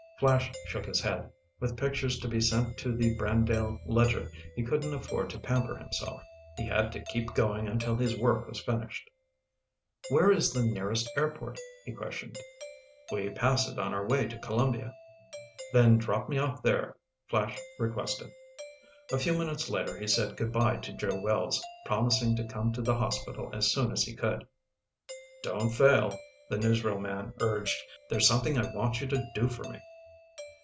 Flash shook his head. With pictures to be sent to the Brandale Ledger, he couldn't afford to pamper himself. He had to keep going until his work was finished. "Where is the nearest airport?" he questioned. "We pass it on our way to Columbia." "Then drop me off there," Flash requested. A few minutes later he said good bye to Joe Wells, promising to come to the hospital as soon as he could. "Don't fail," the newsreel man urged, "there's something I want you to do for me."